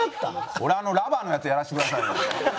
俺あのラバーのやつやらせてくださいよ。